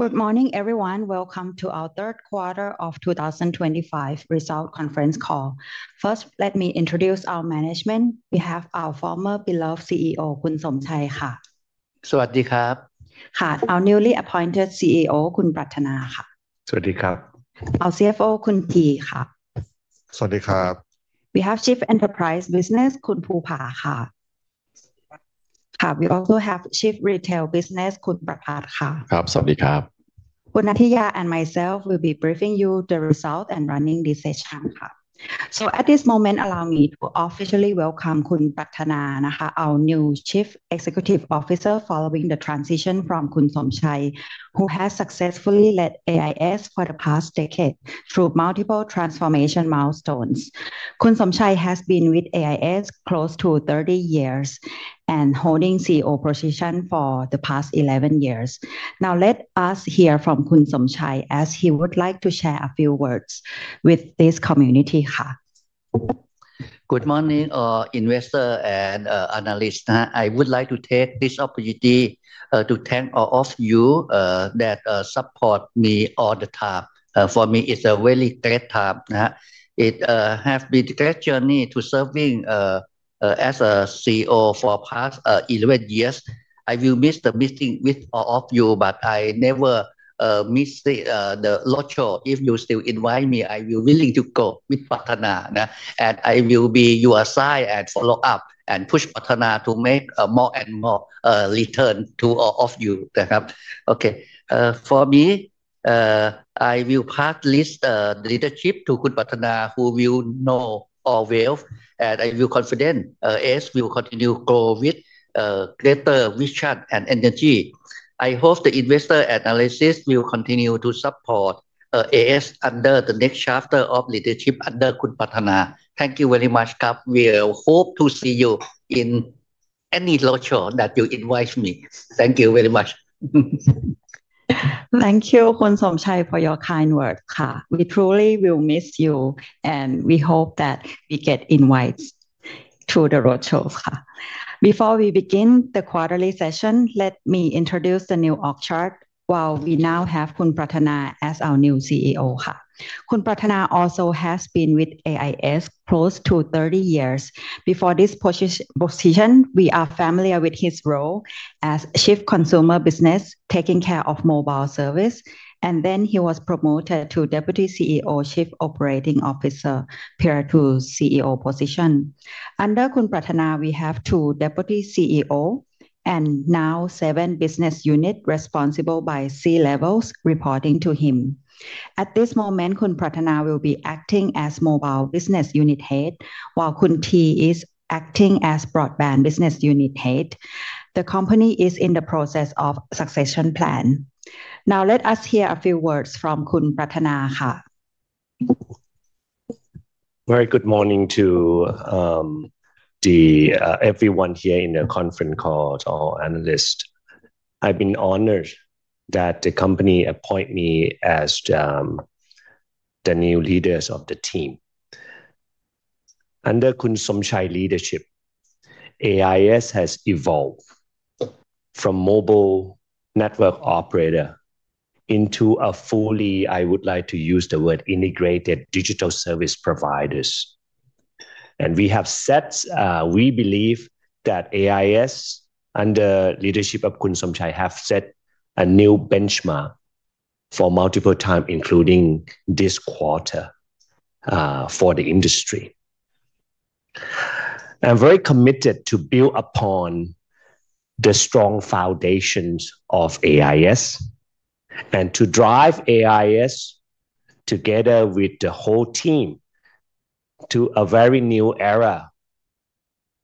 Good morning, everyone. Welcome to our third quarter of 2025 results conference call. First, let me introduce our management. We have our former beloved CEO, คุณสมชัย. สวัสดีครับค่ะ Our newly appointed CEO, คุณปรารถนาค่ะสวัสดีครับ Our CFO, คุณธีระค่ะสวัสดีครับ We have Chief Enterprise Business, คุณภูผาค่ะ. We also have Chief Retail Business, คุณประภาสค่ะ. ครับสวัสดีครับ Kunnathiya and myself will be briefing you the result and running this session ค่ะ So at this moment, allow me to officially welcome คุณปรารถนานะคะ Our new Chief Executive Officer, following the transition from คุณสมชัย who has successfully led AIS for the past decade through multiple transformation milestones. Kunnathiya has been with AIS close to 30 years and holding CEO position for the past 11 years. Now let us hear from คุณสมชัย as he would like to share a few words with this community. Good morning, investors and analysts. I would like to take this opportunity to thank all of you that support me all the time. For me, it's a very great time. It has been a great journey to serve as a CEO for the past 11 years. I will miss the meeting with all of you, but I never miss the roadshow. If you still invite me, I will be willing to go with Prathana, and I will be by your side and follow up and push Prathana to make more and more return to all of you. นะครับ For me, I will pass this leadership to Prathana, who you all know well, and I am confident he will continue to grow with greater vision and energy. I hope the investors and analysts will continue to support AIS under the next chapter of leadership under Prathana. Thank you very much. We hope to see you in any roadshow that you invite me. Thank you very much. Thank you, คุณสมชัย, for your kind words. We truly will miss you, and we hope that we get invited to the roadshow. Before we begin the quarterly session, let me introduce the new org chart. We now have คุณปรารถนา as our new CEO ค่ะ. Kunpratana also has been with AIS close to 30 years. Before this position, we are familiar with his role as Chief Consumer Business, taking care of mobile service, and then he was promoted to Deputy CEO, Chief Operating Officer, prior to CEO position. Under คุณปรารถนา, we have two Deputy CEOs and now seven business units responsible by C-level reporting to him. At this moment, Kunpratana will be acting as Mobile Business Unit Head, while Kunpathi is acting as Broadband Business Unit Head. The company is in the process of succession plan. Now let us hear a few words from คุณปรารถนา ค่ะ. Very good morning to everyone here in the conference call or analysts. I've been honored that the company appointed me as the new leader of the team. Under คุณสมชัย leadership, AIS has evolved from mobile network operator into a fully—I would like to use the word—integrated digital service providers. We have set—we believe that AIS, under leadership of คุณสมชัย, have set a new benchmark for multiple times, including this quarter for the industry. I'm very committed to build upon the strong foundations of AIS and to drive AIS together with the whole team to a very new era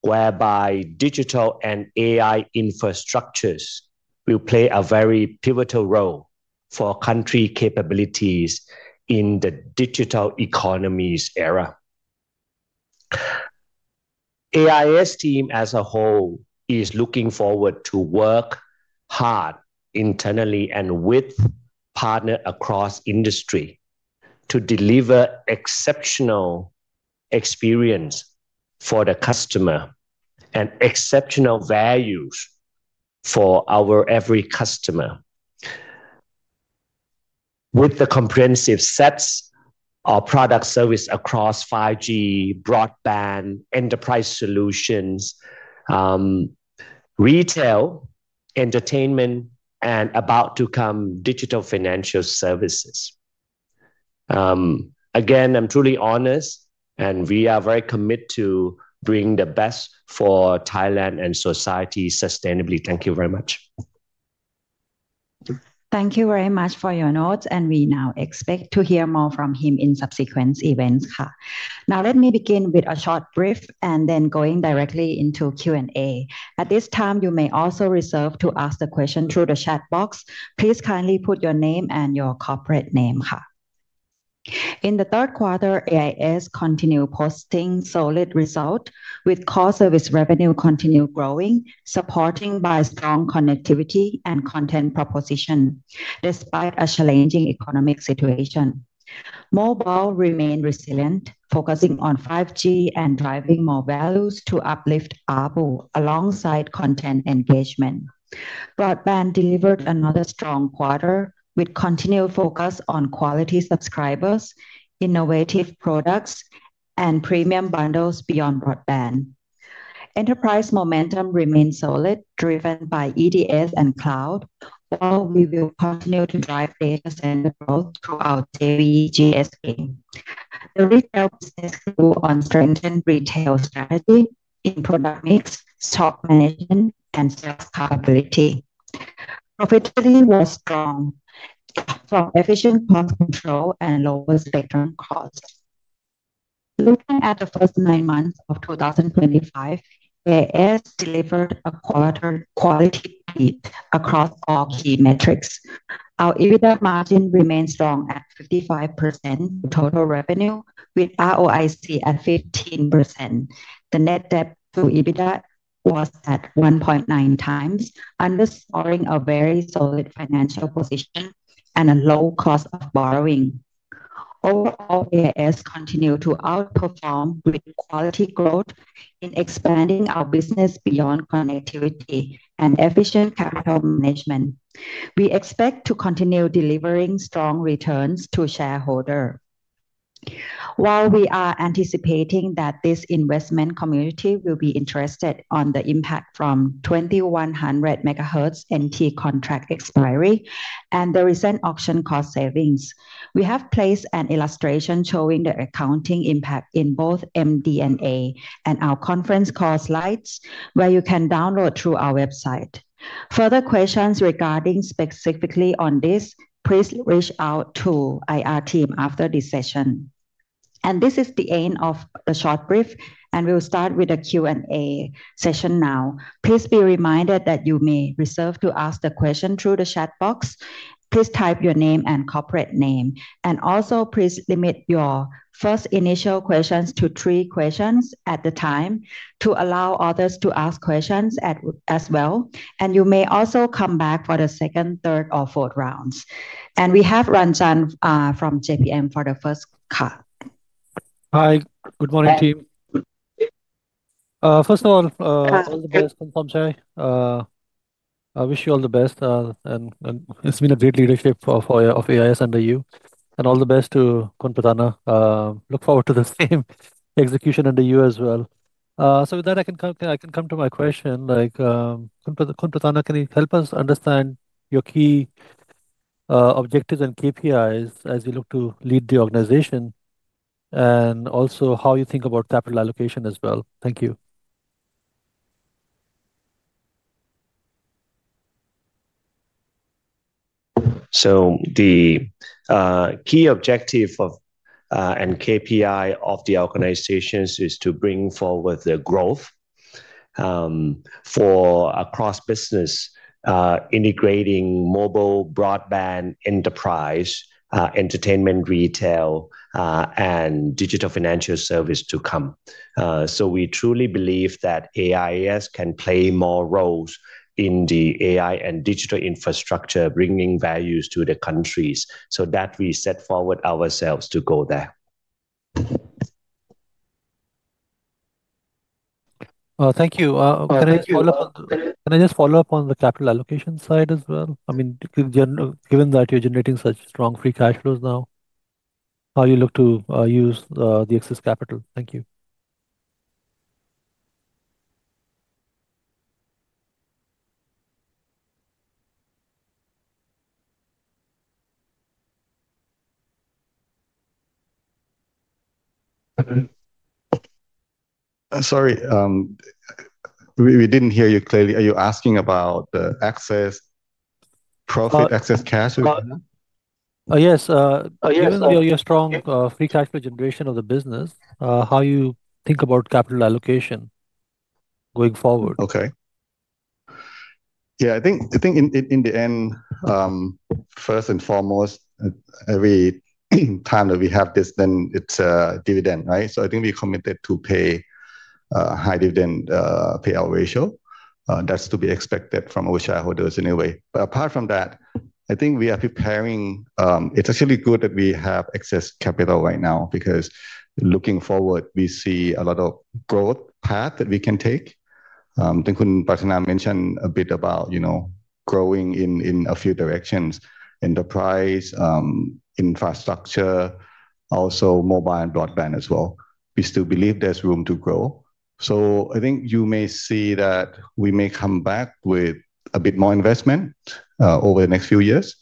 whereby digital and AI infrastructures will play a very pivotal role for country capabilities in the digital economies era. AIS team as a whole is looking forward to work hard internally and with partners across industry to deliver exceptional experience for the customer and exceptional values for our every customer with the comprehensive sets of product service across 5G, broadband, enterprise solutions, retail, entertainment, and about-to-come digital financial services. Again, I'm truly honest, and we are very committed to bringing the best for Thailand and society sustainably. Thank you very much. Thank you very much for your notes, and we now expect to hear more from him in subsequent events. Now let me begin with a short brief and then going directly into Q&A. At this time, you may also reserve to ask the question through the chat box. Please kindly put your name and your corporate name. In the third quarter, AIS continued posting solid results with core service revenue continuing to grow, supported by strong connectivity and content proposition. Despite a challenging economic situation, mobile remained resilient, focusing on 5G and driving more values to uplift ARPU alongside content engagement. Broadband delivered another strong quarter with continued focus on quality subscribers, innovative products, and premium bundles beyond broadband. Enterprise momentum remained solid, driven by EDS and cloud, while we will continue to drive data center growth throughout JV GSK. The retail business grew on strengthened retail strategy in product mix, stock management, and sales capability. Profitability was strong from efficient cost control and lower spectrum costs. Looking at the first nine months of 2025, AIS delivered a quality beat across all key metrics. Our EBITDA margin remained strong at 55% total revenue, with ROIC at 15%. The net debt to EBITDA was at 1.9 times, underscoring a very solid financial position and a low cost of borrowing. Overall, AIS continued to outperform with quality growth in expanding our business beyond connectivity and efficient capital management. We expect to continue delivering strong returns to shareholders. While we are anticipating that this investment community will be interested in the impact from 2100 MHz NT contract expiry and the recent auction cost savings, we have placed an illustration showing the accounting impact in both MD&A and our conference call slides where you can download through our website. Further questions regarding specifically on this, please reach out to IR team after this session. This is the end of the short brief, and we'll start with the Q&A session now. Please be reminded that you may reserve to ask the question through the chat box. Please type your name and corporate name. Also, please limit your first initial questions to three questions at the time to allow others to ask questions as well. You may also come back for the second, third, or fourth rounds. We have Ranjan from JPM for the first cut. Hi. Good morning, team. First of all. Hi. All the best from Somchai. I wish you all the best. It's been a great leadership of AIS under you. All the best to Kunnathana. Look forward to the same execution under you as well. With that, I can come to my question. Kunnathana, can you help us understand your key objectives and KPIs as you look to lead the organization? Also, how you think about capital allocation as well. Thank you. The key objective and KPI of the organization is to bring forward the growth across business, integrating mobile, broadband, enterprise, entertainment, retail, and digital financial service. We truly believe that AIS can play more roles in the AI and digital infrastructure, bringing values to the countries so that we set forward ourselves to go there. Thank you. Can I just follow up on the capital allocation side as well? I mean, given that you're generating such strong free cash flows now, how do you look to use the excess capital? Thank you. Sorry. We didn't hear you clearly. Are you asking about the excess profit, excess cash? Yes. You have strong free cash flow generation of the business. How do you think about capital allocation going forward? Okay. Yeah, I think in the end, first and foremost, every time that we have this, then it's a dividend, right? So I think we're committed to pay a high dividend payout ratio. That's to be expected from our shareholders anyway. But apart from that, I think we are preparing. It's actually good that we have excess capital right now because looking forward, we see a lot of growth paths that we can take. Then Kunnathana mentioned a bit about growing in a few directions: enterprise, infrastructure, also mobile and broadband as well. We still believe there's room to grow. So I think you may see that we may come back with a bit more investment over the next few years,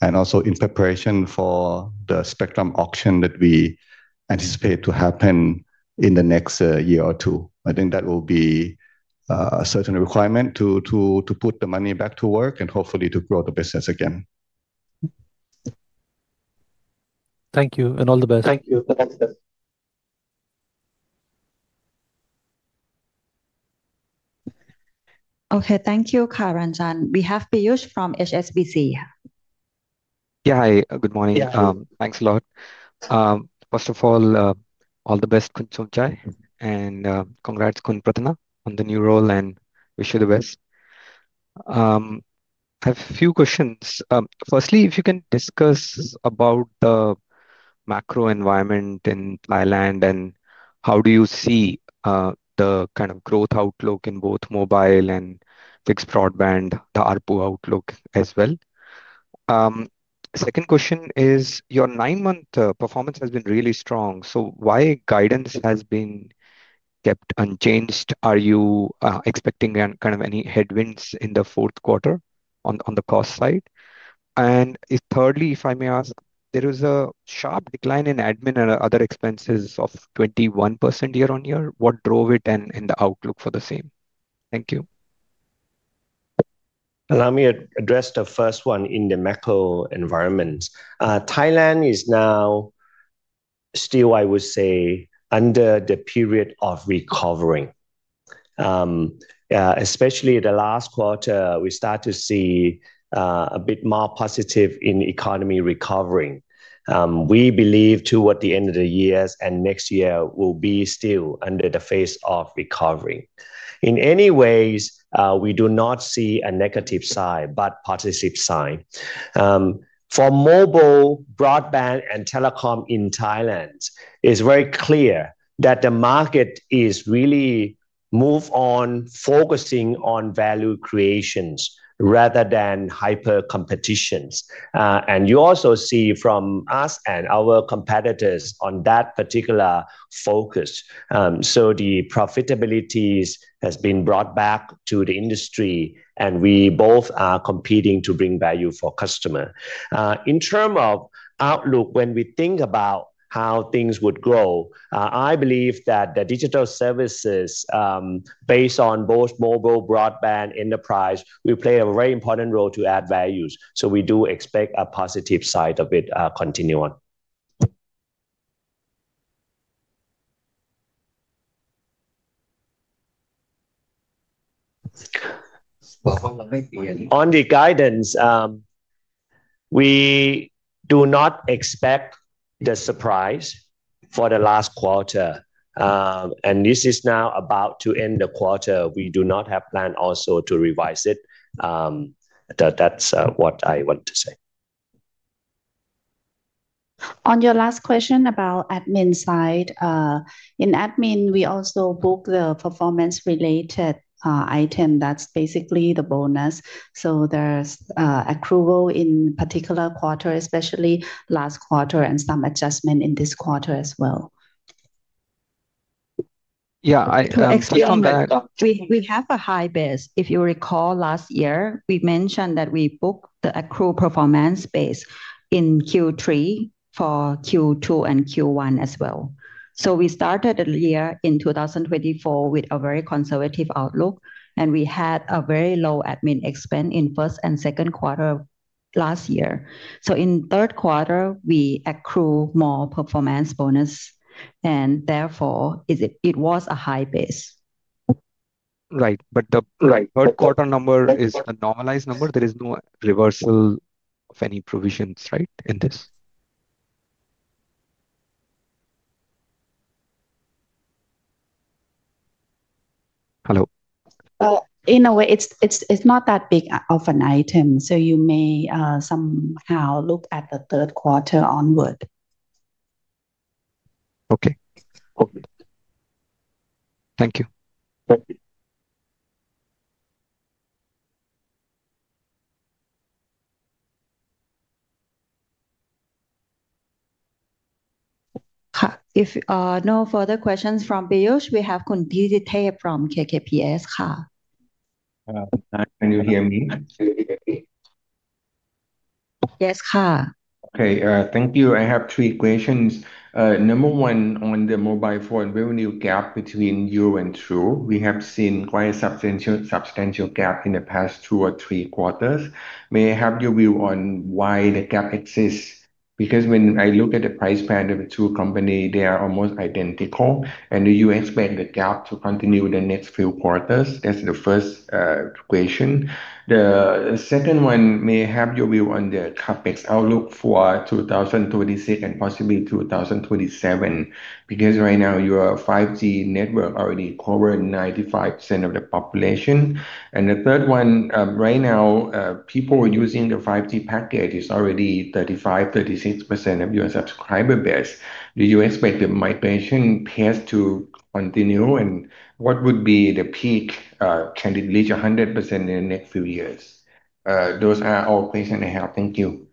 and also in preparation for the spectrum auction that we anticipate to happen in the next year or two. I think that will be a certain requirement to put the money back to work and hopefully to grow the business again. Thank you. And all the best. Thank you. Okay, thank you, Kha Ranjan. We have Piyush from HSBC. Yeah, hi. Good morning. Thanks a lot. First of all, all the best, Kunnathana. Congrats, Kunnathana, on the new role, and wish you the best. I have a few questions. Firstly, if you can discuss about the macro environment in Thailand and how do you see the kind of growth outlook in both mobile and fixed broadband, the ARPU outlook as well. Second question is your nine-month performance has been really strong. So why guidance has been kept unchanged? Are you expecting kind of any headwinds in the fourth quarter on the cost side? Thirdly, if I may ask, there is a sharp decline in admin and other expenses of 21% year on year. What drove it and the outlook for the same? Thank you. Allow me to address the first one in the macro environment. Thailand is now still, I would say, under the period of recovering. Especially the last quarter, we start to see a bit more positive in economy recovering. We believe toward the end of the year and next year will be still under the phase of recovery. In any ways, we do not see a negative sign, but positive sign. For mobile, broadband, and telecom in Thailand, it's very clear that the market is really moving on, focusing on value creations rather than hyper-competitions. You also see from us and our competitors on that particular focus. The profitability has been brought back to the industry, and we both are competing to bring value for customers. In terms of outlook, when we think about how things would grow, I believe that the digital services based on both mobile, broadband, and enterprise will play a very important role to add values. We do expect a positive side of it continuing. On the guidance, we do not expect the surprise for the last quarter. This is now about to end the quarter. We do not have a plan also to revise it. That's what I want to say. On your last question about admin side. In admin, we also book the performance-related item. That's basically the bonus. So there's accrual in particular quarter, especially last quarter, and some adjustment in this quarter as well. Yeah, I'll come back. We have a high base. If you recall last year, we mentioned that we booked the accrual performance base in Q3 for Q2 and Q1 as well. We started the year in 2024 with a very conservative outlook, and we had a very low admin expense in the first and second quarter last year. In the third quarter, we accrued more performance bonus, and therefore, it was a high base. Right. But the third quarter number is a normalized number. There is no reversal of any provisions, right, in this? Hello? In a way, it's not that big of an item. So you may somehow look at the third quarter onward. Okay. Thank you. Thank you. No further questions from Piyush. We have Kunnathana from KKPS. Can you hear me? Yes. Okay. Thank you. I have three questions. Number one, on the mobile phone revenue gap between year one and two, we have seen quite a substantial gap in the past two or three quarters. May I have your view on why the gap exists? Because when I look at the price band of the two companies, they are almost identical. Do you expect the gap to continue in the next few quarters? That's the first question. The second one, may I have your view on the CapEx outlook for 2026 and possibly 2027? Because right now, your 5G network already covers 95% of the population. The third one, right now, people using the 5G package is already 35%, 36% of your subscriber base. Do you expect the migration pace to continue? What would be the peak? Can it reach 100% in the next few years? Those are all questions I have. Thank you.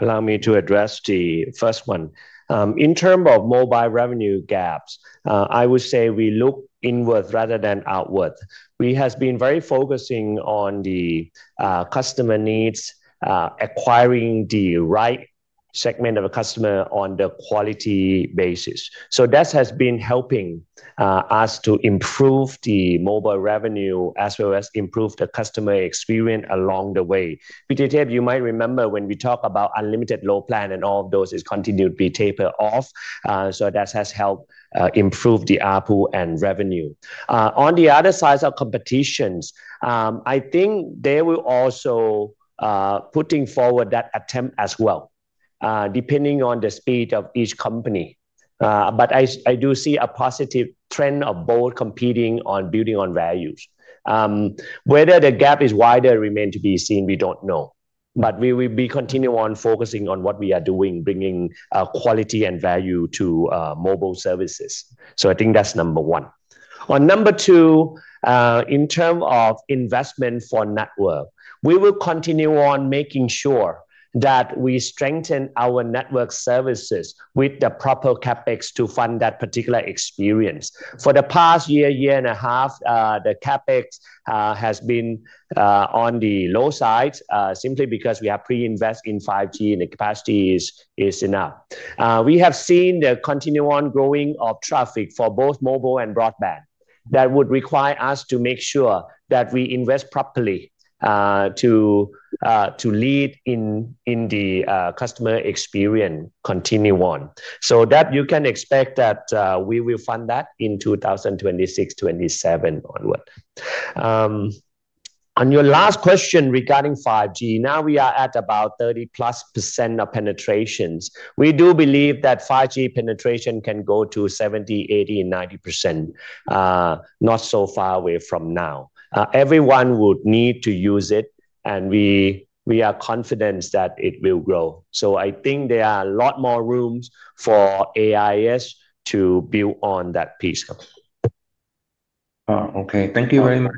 Allow me to address the first one. In terms of mobile revenue gaps, I would say we look inwards rather than outwards. We have been very focused on the customer needs, acquiring the right segment of customers on the quality basis. That has been helping us to improve the mobile revenue as well as improve the customer experience along the way. By the way, you might remember when we talk about unlimited load plan and all of those, it continued to be tapered off. That has helped improve the ARPU and revenue. On the other side of competitions, I think they will also be putting forward that attempt as well, depending on the speed of each company. I do see a positive trend of both competing on building on values. Whether the gap is wider remains to be seen. We don't know. We will be continuing on focusing on what we are doing, bringing quality and value to mobile services. I think that's number one. On number two, in terms of investment for network, we will continue on making sure that we strengthen our network services with the proper CapEx to fund that particular experience. For the past year, year and a half, the CapEx has been on the low side simply because we have pre-invested in 5G and the capacity is enough. We have seen the continuing growing of traffic for both mobile and broadband. That would require us to make sure that we invest properly to lead in the customer experience continuing on. You can expect that we will fund that in 2026, 2027 onward. On your last question regarding 5G, now we are at about 30% plus penetration. We do believe that 5G penetration can go to 70%, 80%, and 90%. Not so far away from now, everyone would need to use it, and we are confident that it will grow. I think there are a lot more rooms for AIS to build on that piece. Okay. Thank you very much.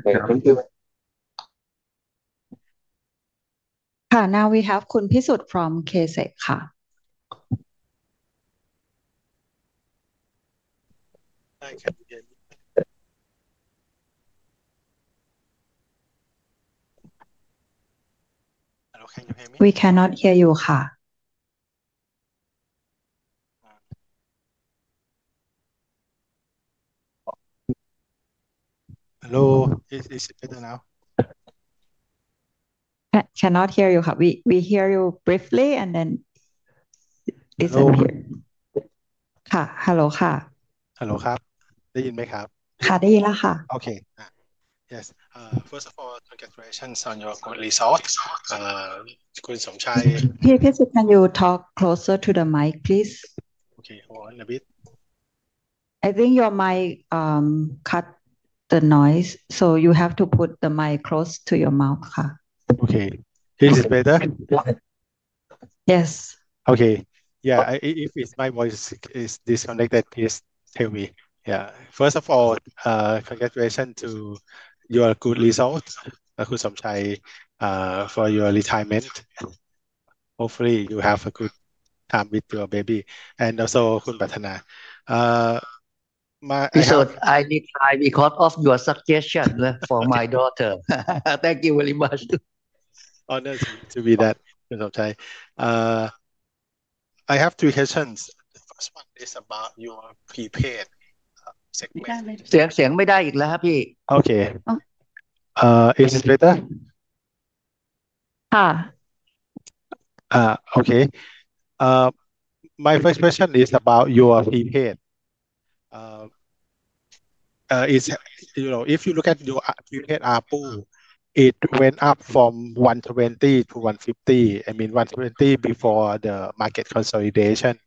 Now we have Khun Pisut from KSECK. We cannot hear you. Hello. Cannot hear you. We hear you briefly and then disappear. Hello ค่ะ. Hello ครับ. ได้ยินไหมครับ? ค่ะได้ยินแล้วค่ะ Okay. Yes. First of all, congratulations on your results, Khun Somchai. Piyush, can you talk closer to the mic, please? Okay. Hold on a bit. I think your mic cut the noise, so you have to put the mic close to your mouth. Okay. Is it better? Yes. Okay. Yeah. If my voice is disconnected, please tell me. Yeah. First of all, congratulations on your good results, Khun Somchai, for your retirement. Hopefully, you have a good time with your baby. And also, Khun Pattana. I will cut off your suggestion for my daughter. Thank you very much. Honored to be that, Khun Somchai. I have three questions. The first one is about your prepaid segment. เสียงไม่ได้อีกแล้วครับพี่ Okay. Is it better? ค่ะ My first question is about your prepaid. If you look at your prepaid ARPU, it went up from $120 to $150. I mean, $120 before the market consolidation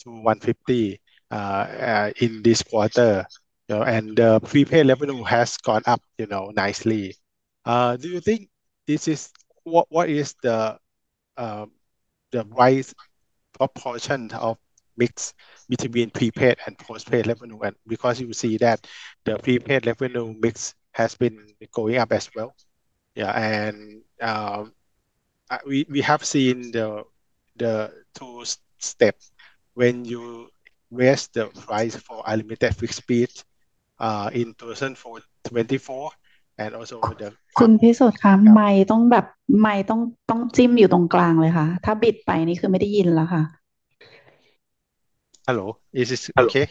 to $150 in this quarter. The prepaid revenue has gone up nicely. Do you think this is the right proportion of mix between prepaid and postpaid revenue? Because you see that the prepaid revenue mix has been going up as well. We have seen the two steps when you raise the price for unlimited fixed speed in 2024 and also the. คุณพิสุทธิ์คะไมค์ต้องจิ้มอยู่ตรงกลางเลยค่ะถ้าบิดไปนี่คือไม่ได้ยินแล้วค่ะ Hello. Is it okay?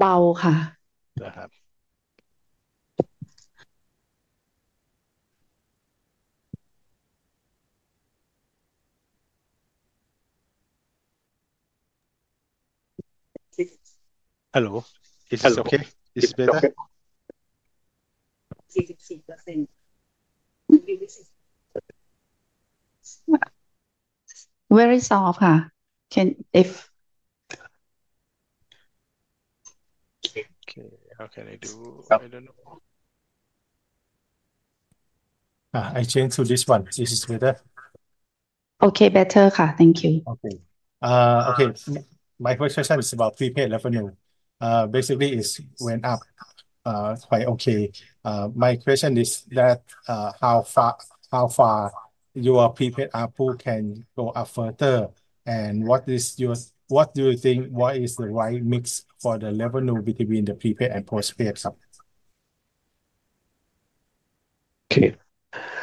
เบาค่ะ ครับ. Hello. Is it okay? Is it better? Very soft ค่ะ. Okay. How can I do? I don't know. I change to this one. Is it better? Okay. Better ค่ะ. Thank you. My question is about prepaid revenue. Basically, it went up quite a bit. My question is how far your prepaid ARPU can go up further? What do you think is the right mix for the revenue between the prepaid and postpaid?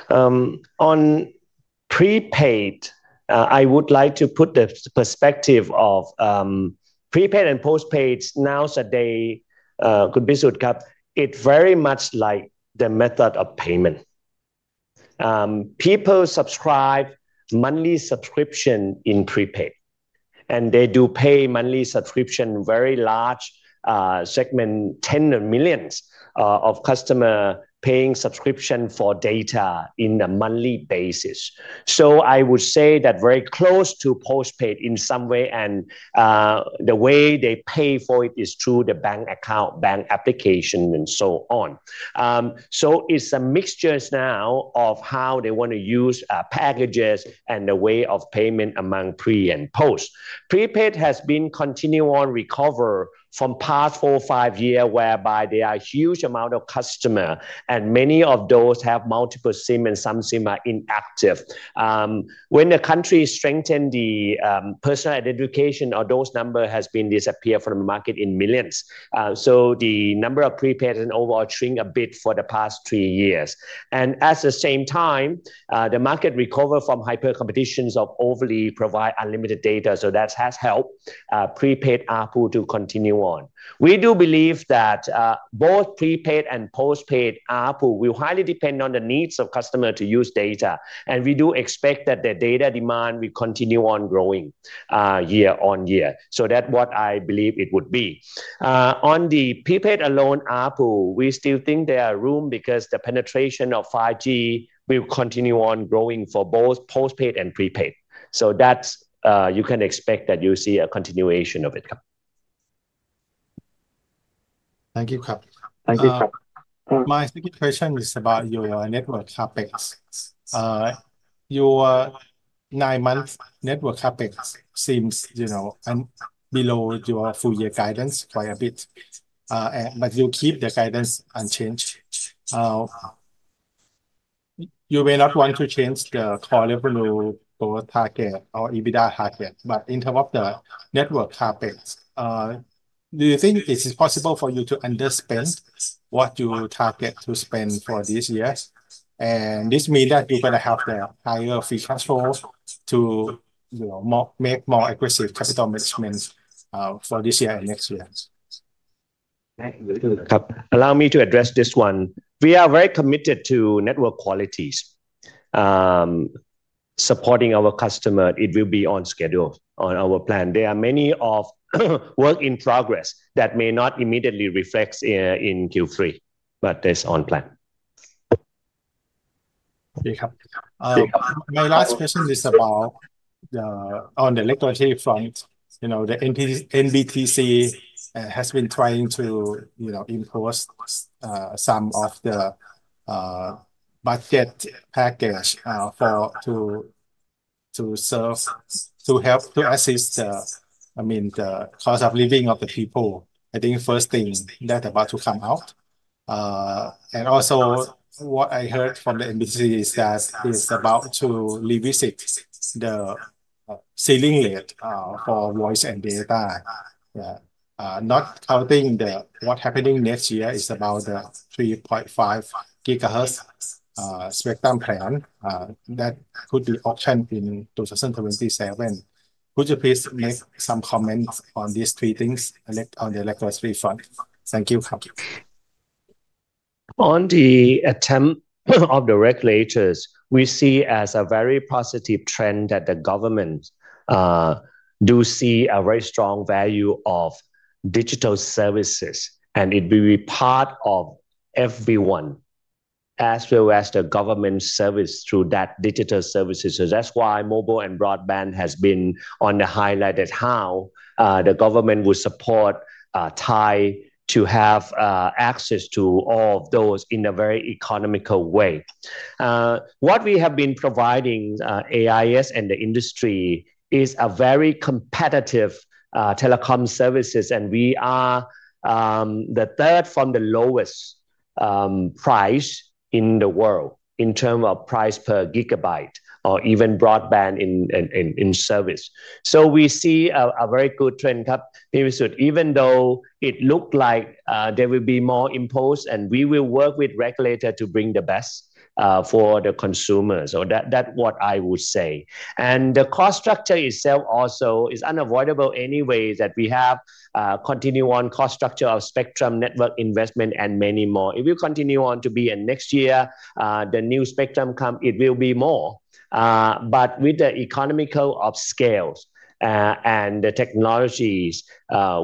On prepaid, I would like to put the perspective of prepaid and postpaid now that they... Khun Pisut ครับ, it's very much like the method of payment. People subscribe monthly subscription in prepaid, and they do pay monthly subscription. Very large segment, tens of millions of customers paying subscription for data on a monthly basis. So I would say that very close to postpaid in some way. The way they pay for it is through the bank account, bank application, and so on. So it's a mixture now of how they want to use packages and the way of payment among pre and post. Prepaid has been continuing on recovery from past four, five years whereby there are huge amounts of customers, and many of those have multiple SIM and some SIM are inactive. When the country strengthened the personal identification, those numbers have been disappearing from the market in millions. So the number of prepaid and overall shrink a bit for the past three years. At the same time, the market recovered from hyper-competitions of overly providing unlimited data. So that has helped prepaid ARPU to continue on. We do believe that both prepaid and postpaid ARPU will highly depend on the needs of customers to use data. We do expect that the data demand will continue on growing year on year. So that's what I believe it would be. On the prepaid alone ARPU, we still think there is room because the penetration of 5G will continue on growing for both postpaid and prepaid. So you can expect that you'll see a continuation of it. Thank you. Thank you. My second question is about your network CapEx. Your nine-month network CapEx seems below your full-year guidance quite a bit, but you keep the guidance unchanged. You may not want to change the core revenue goal target or EBITDA target, but in terms of the network CapEx, do you think it is possible for you to under-spend what you target to spend for this year? This means that you're going to have the higher free cash flow to make more aggressive capital management for this year and next year. Allow me to address this one. We are very committed to network quality, supporting our customers. It will be on schedule on our plan. There are many works in progress that may not immediately reflect in Q3, but that's on plan. My last question is about on the electricity front. The NBTC has been trying to impose some of the budget package to help to assist the cost of living of the people. I think first thing that's about to come out. And also what I heard from the NBTC is that it's about to revisit the ceiling rate for voice and data. Not counting what's happening next year is about the 3.5 gigahertz spectrum plan that could be optioned in 2027. Could you please make some comments on these three things on the electricity front? Thank you. On the attempt of the regulators, we see as a very positive trend that the government does see a very strong value of digital services. It will be part of everyone as well as the government service through that digital services. That's why mobile and broadband has been highlighted how the government would support Thai to have access to all of those in a very economical way. What we have been providing AIS and the industry is a very competitive telecom services. We are the third from the lowest price in the world in terms of price per gigabyte or even broadband service. We see a very good trend, Khun Pisut, even though it looked like there will be more imposed. We will work with regulators to bring the best for the consumers. That's what I would say. The cost structure itself also is unavoidable anyway that we have continued on cost structure of spectrum network investment and many more. If we continue on to be in next year, the new spectrum come, it will be more. But with the economical of scales and the technologies,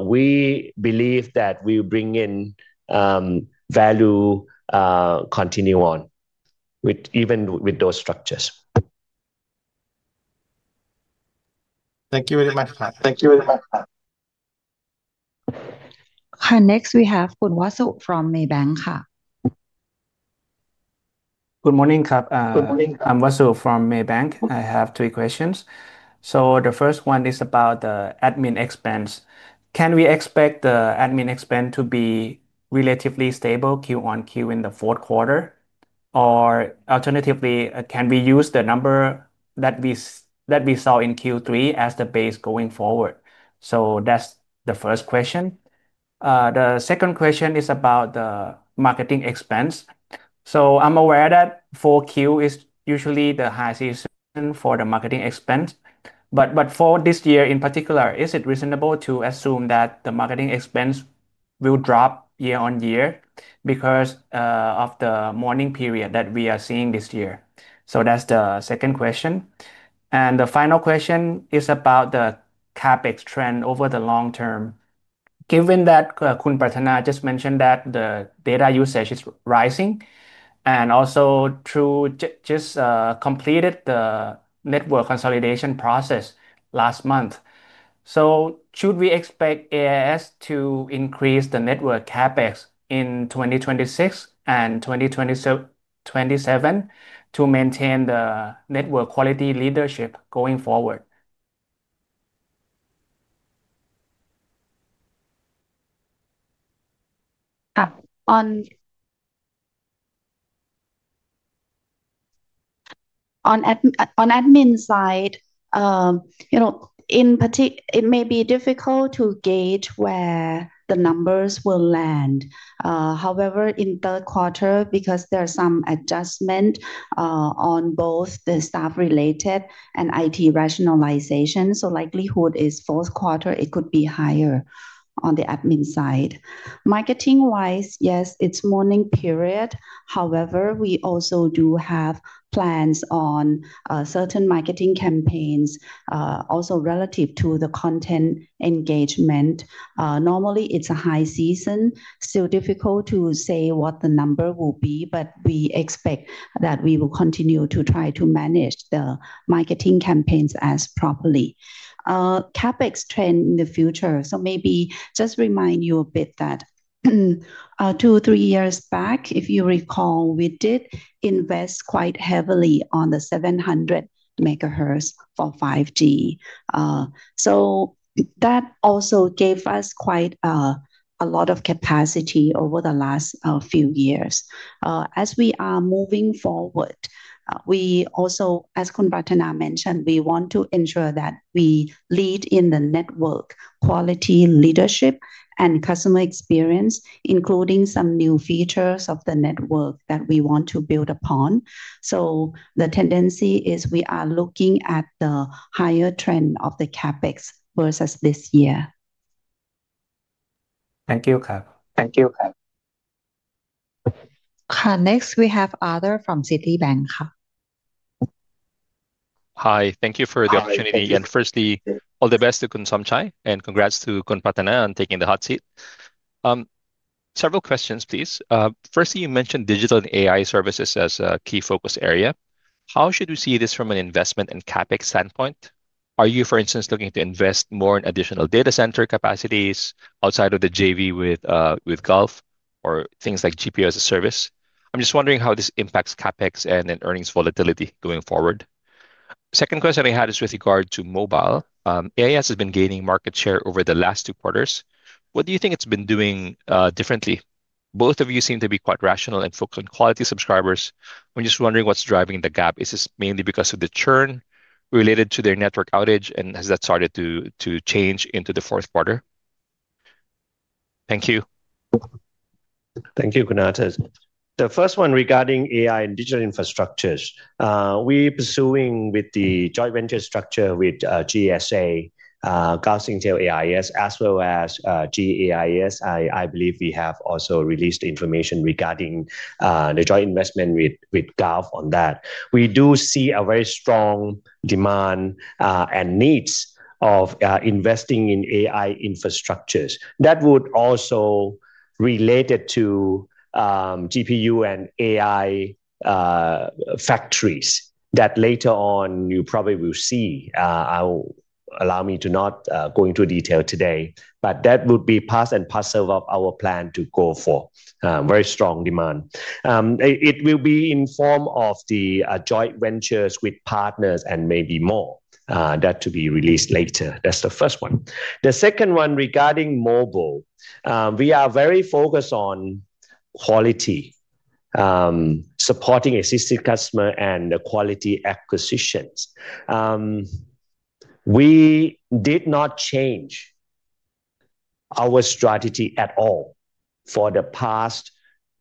we believe that we will bring in value. Continue on even with those structures. Thank you very much. Thank you very much. Next, we have Khun Wasu from Maybank. Good morning. Good morning. I'm Wasu from Maybank. I have three questions. The first one is about the admin expense. Can we expect the admin expense to be relatively stable Q1, Q2 in the fourth quarter? Or alternatively, can we use the number that we saw in Q3 as the base going forward? That's the first question. The second question is about the marketing expense. I'm aware that for Q4 is usually the highest for the marketing expense. But for this year in particular, is it reasonable to assume that the marketing expense will drop year on year because of the morning period that we are seeing this year? That's the second question. The final question is about the CapEx trend over the long term. Given that Khun Pattana just mentioned that the data usage is rising and also just completed the network consolidation process last month, should we expect AIS to increase the network CapEx in 2026 and 2027 to maintain the network quality leadership going forward? On admin side, it may be difficult to gauge where the numbers will land. However, in third quarter, because there are some adjustments on both the staff-related and IT rationalization, so likelihood is fourth quarter, it could be higher on the admin side. Marketing-wise, yes, it's morning period. However, we also do have plans on certain marketing campaigns also relative to the content engagement. Normally, it's a high season. Still difficult to say what the number will be, but we expect that we will continue to try to manage the marketing campaigns as properly. CapEx trend in the future. So maybe just remind you a bit that two, three years back, if you recall, we did invest quite heavily on the 700 megahertz for 5G. So that also gave us quite a lot of capacity over the last few years. As we are moving forward, we also, as Khun Pattana mentioned, we want to ensure that we lead in the network quality leadership and customer experience, including some new features of the network that we want to build upon. So the tendency is we are looking at the higher trend of the CapEx versus this year. Thank you. Thank you. Next, we have other from Citibank. Hi. Thank you for the opportunity. Firstly, all the best to Khun Somchai. Congrats to Khun Pattana on taking the hot seat. Several questions, please. Firstly, you mentioned digital and AI services as a key focus area. How should we see this from an investment and CapEx standpoint? Are you, for instance, looking to invest more in additional data center capacities outside of the JV with Gulf or things like GPO as a service? I'm just wondering how this impacts CapEx and earnings volatility going forward. Second question I had is with regard to mobile. AIS has been gaining market share over the last two quarters. What do you think it's been doing differently? Both of you seem to be quite rational and focused on quality subscribers. I'm just wondering what's driving the gap. Is this mainly because of the churn related to their network outage? Has that started to change into the fourth quarter? Thank you. Thank you, Khun Arthur. The first one regarding AI and digital infrastructures. We are pursuing with the joint venture structure with GSA, Gulf Intel AIS, as well as GAIS. I believe we have also released information regarding the joint investment with Gulf on that. We do see a very strong demand and needs of investing in AI infrastructures. That would also relate to GPU and AI factories that later on you probably will see. Allow me to not go into detail today, but that would be part and parcel of our plan to go for very strong demand. It will be in the form of the joint ventures with partners and maybe more that to be released later. That's the first one. The second one regarding mobile. We are very focused on quality, supporting existing customers and the quality acquisitions. We did not change our strategy at all for the past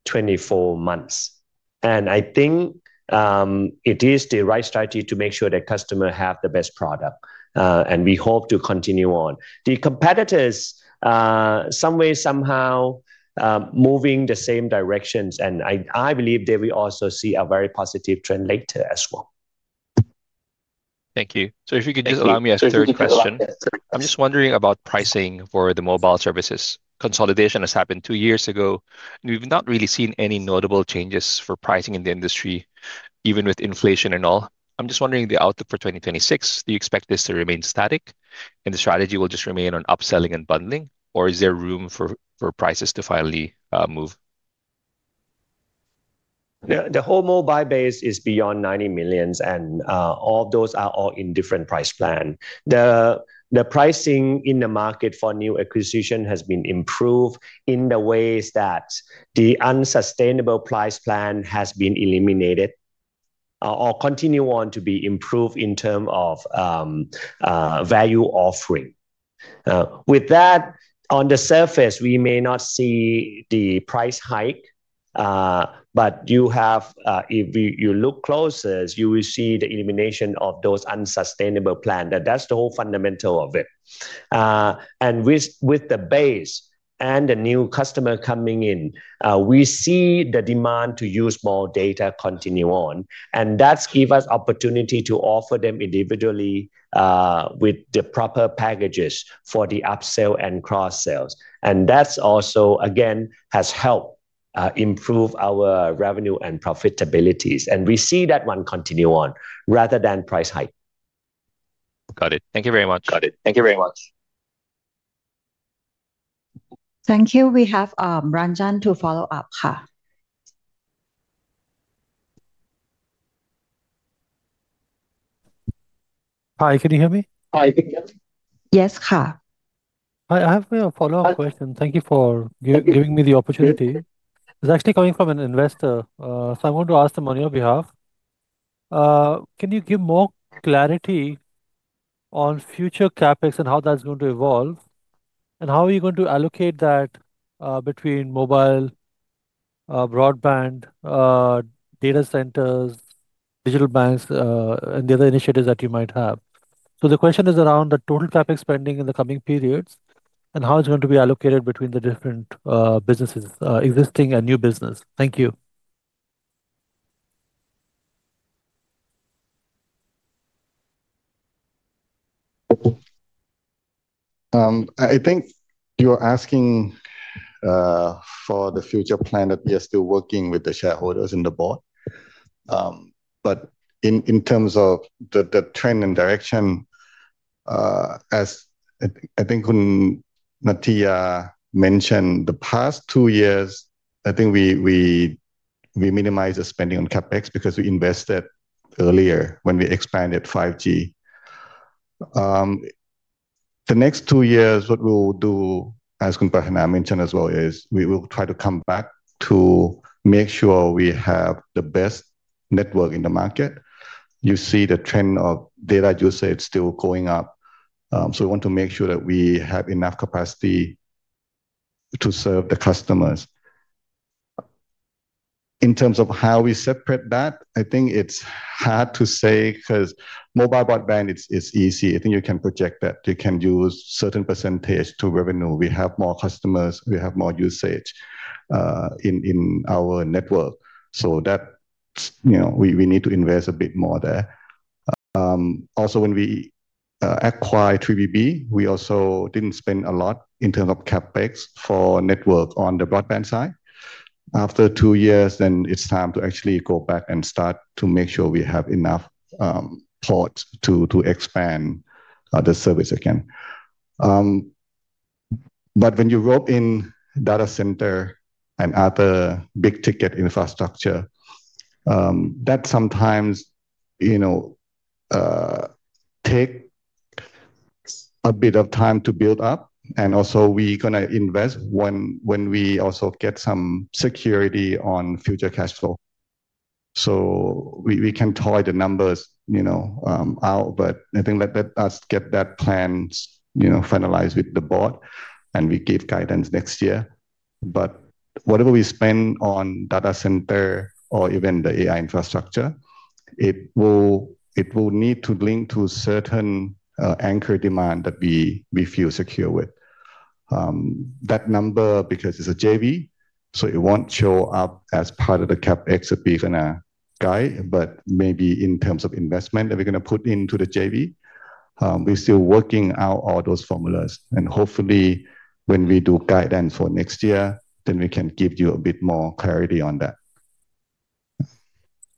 24 months, and I think it is the right strategy to make sure that customers have the best product. We hope to continue on. The competitors, someway, somehow, moving the same directions, and I believe they will also see a very positive trend later as well. Thank you. If you could just allow me a third question, I'm just wondering about pricing for the mobile services. Consolidation has happened two years ago. We've not really seen any notable changes for pricing in the industry, even with inflation and all. I'm just wondering the outlook for 2026. Do you expect this to remain static and the strategy will just remain on upselling and bundling? Or is there room for prices to finally move? The whole mobile base is beyond 90 million. All those are all in different price plans. The pricing in the market for new acquisition has been improved in the ways that the unsustainable price plan has been eliminated or continue on to be improved in terms of value offering. With that, on the surface, we may not see the price hike. But if you look closer, you will see the elimination of those unsustainable plans. That's the whole fundamental of it. With the base and the new customers coming in, we see the demand to use more data continue on. That gives us opportunity to offer them individually with the proper packages for the upsell and cross-sells. That also, again, has helped improve our revenue and profitabilities. We see that one continue on rather than price hike. Got it. Thank you very much. Got it. Thank you very much. Thank you. We have Ranjan to follow up. Hi, can you hear me? Yes. I have a follow-up question. Thank you for giving me the opportunity. It's actually coming from an investor. So I want to ask them on your behalf. Can you give more clarity on future CapEx and how that's going to evolve? How are you going to allocate that between mobile, broadband, data centers, digital banks, and the other initiatives that you might have? So the question is around the total CapEx spending in the coming periods and how it's going to be allocated between the different businesses, existing and new business. Thank you. I think you're asking for the future plan that we are still working with the shareholders in the board. But in terms of the trend and direction, as I think Khun Nathiya mentioned, the past two years, I think we minimized the spending on CapEx because we invested earlier when we expanded 5G. The next two years, what we'll do, as Khun Pattana mentioned as well, is we will try to come back to make sure we have the best network in the market. You see the trend of data usage still going up, so we want to make sure that we have enough capacity to serve the customers. In terms of how we separate that, I think it's hard to say because mobile broadband is easy. I think you can project that. You can use a certain percentage to revenue. We have more customers. We have more usage in our network, so we need to invest a bit more there. Also, when we acquired 3BB, we also didn't spend a lot in terms of CapEx for network on the broadband side. After two years, then it's time to actually go back and start to make sure we have enough ports to expand the service again. But when you roll in data center and other big ticket infrastructure, that sometimes takes a bit of time to build up. Also, we're going to invest when we also get some security on future cash flow so we can toy the numbers out. But I think let us get that plan finalized with the board and we give guidance next year. But whatever we spend on data center or even the AI infrastructure, it will need to link to certain anchor demand that we feel secure with. That number, because it's a JV, so it won't show up as part of the CapEx that we're going to guide. But maybe in terms of investment that we're going to put into the JV, we're still working out all those formulas. Hopefully, when we do guidance for next year, then we can give you a bit more clarity on that.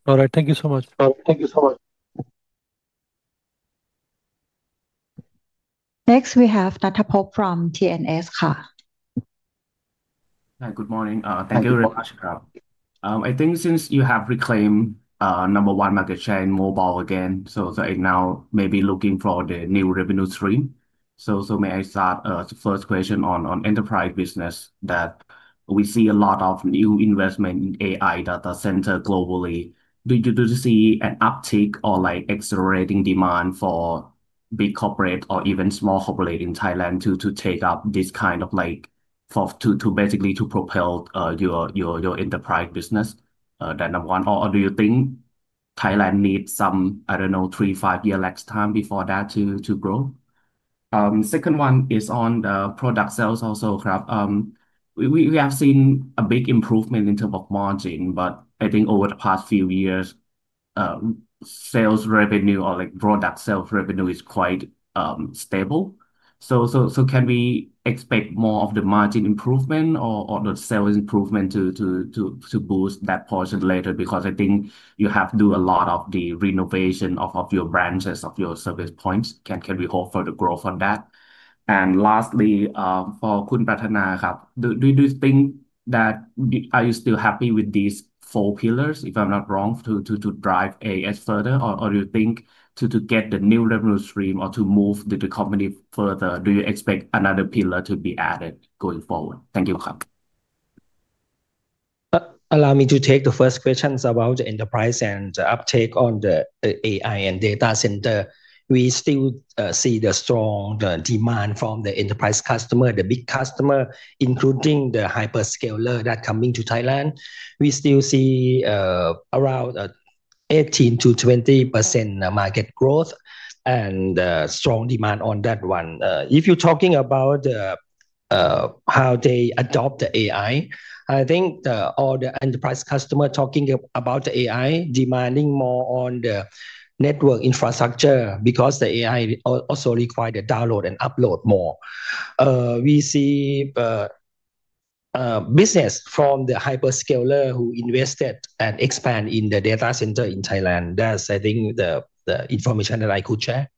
All right. Thank you so much. Thank you so much. Next, we have Natapok from TNS. Good morning. Thank you very much. I think since you have reclaimed number one market share in mobile again, right now maybe looking for the new revenue stream. So may I start the first question on enterprise business that we see a lot of new investment in AI data center globally. Do you see an uptick or accelerating demand for big corporate or even small corporate in Thailand to take up this kind of basically to propel your enterprise business? That number one. Do you think Thailand needs some three, five years' time before that to grow? Second one is on the product sales also. We have seen a big improvement in terms of margin, but I think over the past few years sales revenue or product sales revenue is quite stable. So can we expect more of the margin improvement or the sales improvement to boost that portion later? Because I think you have to do a lot of the renovation of your branches, of your service points. Can we hope for the growth on that? Lastly, for Khun Pattana, do you think that are you still happy with these four pillars, if I'm not wrong, to drive AIS further? Do you think to get the new revenue stream or to move the company further, do you expect another pillar to be added going forward? Thank you. Allow me to take the first questions about the enterprise and the uptake on the AI and data center. We still see the strong demand from the enterprise customer, the big customer, including the hyperscaler that is coming to Thailand. We still see around 18% to 20% market growth and strong demand on that one. If you're talking about how they adopt the AI, I think all the enterprise customers talking about the AI, demanding more on the network infrastructure because the AI also requires the download and upload more. We see business from the hyperscaler who invested and expanded in the data center in Thailand. That's, I think, the information that I could share.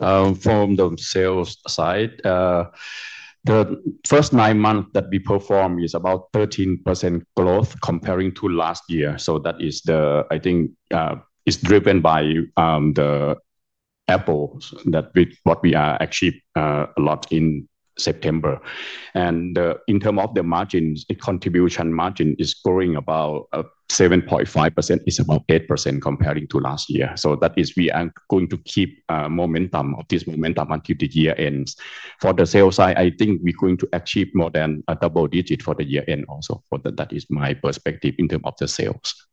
From the sales side, the first nine months that we performed is about 13% growth comparing to last year. That is, I think, driven by the apples that we are actually a lot in September. In terms of the margins, the contribution margin is growing about 7.5%. It's about 8% comparing to last year. We are going to keep momentum of this momentum until the year ends. For the sales side, I think we're going to achieve more than a double digit for the year end also. That is my perspective in terms of the sales.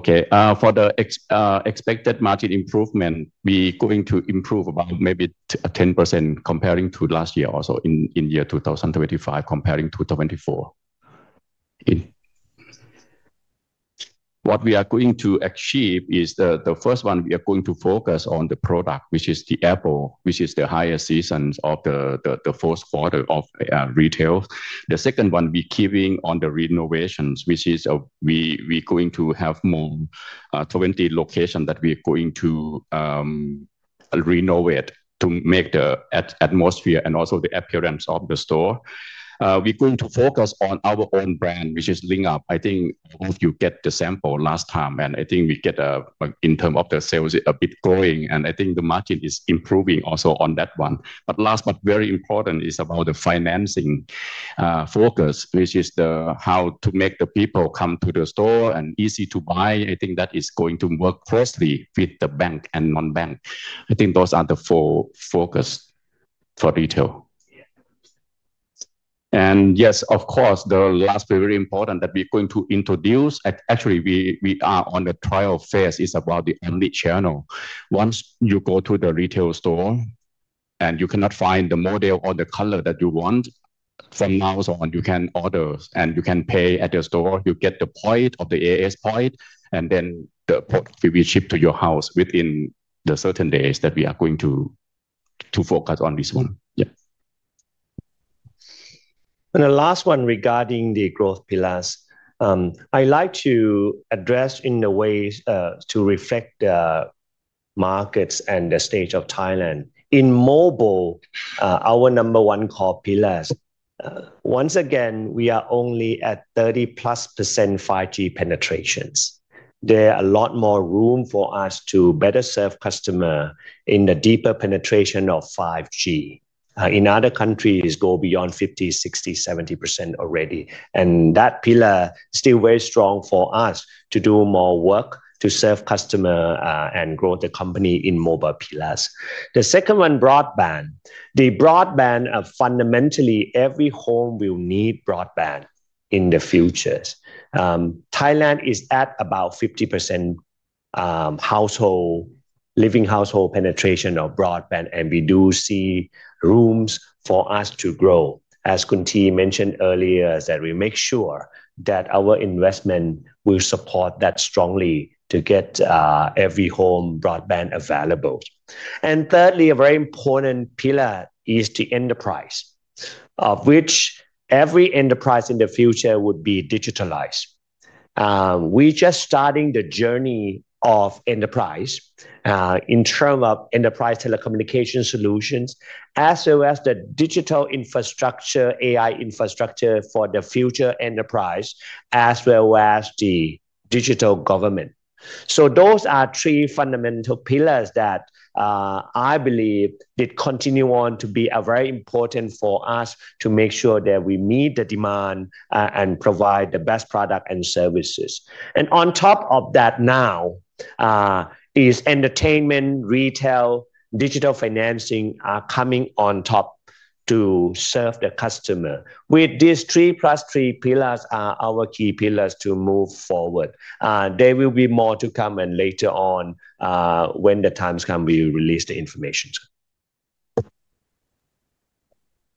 For the expected margin improvement, we're going to improve about maybe 10% comparing to last year also in year 2025 comparing to 2024. What we are going to achieve is the first one, we are going to focus on the product, which is the Apple, which is the highest season of the fourth quarter of retail. The second one, we're keeping on the renovations, which is we're going to have more 20 locations that we're going to renovate to make the atmosphere and also the appearance of the store. We're going to focus on our own brand, which is Linga. I think all of you got the sample last time. I think we get, in terms of the sales, a bit growing. I think the margin is improving also on that one. Last, but very important is about the financing focus, which is how to make the people come to the store and easy to buy. I think that is going to work closely with the bank and non-bank. I think those are the four focuses for retail. The last very important that we're going to introduce, actually, we are on the trial phase, is about the Omni channel. Once you go to the retail store and you cannot find the model or the color that you want, from now on, you can order and you can pay at the store. You get the point of the AIS point, and then the port will be shipped to your house within the certain days that we are going to focus on this one. The last one regarding the growth pillars, I like to address in the ways to reflect the markets and the stage of Thailand. In mobile, our number one core pillar, once again, we are only at 30+ % 5G penetration. There is a lot more room for us to better serve customers in the deeper penetration of 5G. In other countries, it goes beyond 50%, 60%, 70% already. That pillar is still very strong for us to do more work to serve customers and grow the company in mobile pillars. The second one, broadband. The broadband, fundamentally, every home will need broadband in the future. Thailand is at about 50% household, living household penetration of broadband. We do see rooms for us to grow. As Khun Thi mentioned earlier, we make sure that our investment will support that strongly to get every home broadband available. Thirdly, a very important pillar is the enterprise, of which every enterprise in the future would be digitalized. We are just starting the journey of enterprise in terms of enterprise telecommunication solutions, as well as the digital infrastructure, AI infrastructure for the future enterprise, as well as the digital government. Those are three fundamental pillars that I believe continue on to be very important for us to make sure that we meet the demand and provide the best product and services. On top of that now is entertainment, retail, digital financing coming on top to serve the customer. With these three plus three pillars are our key pillars to move forward. There will be more to come. Later on, when the time comes, we will release the information.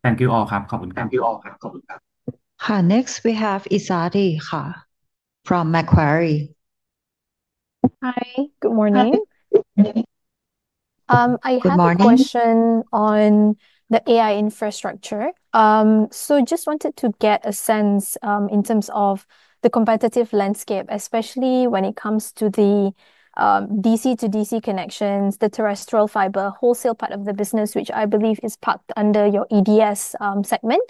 Thank you all. Next, we have Isari from Macquarie. Hi, good morning. Good morning. I have a question on the AI infrastructure. Just wanted to get a sense in terms of the competitive landscape, especially when it comes to the DC to DC connections, the terrestrial fiber wholesale part of the business, which I believe is parked under your EDS segment.